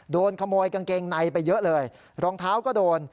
โดนขโมยกางเกงในไปเยอะเลยรองเท้าก็โดน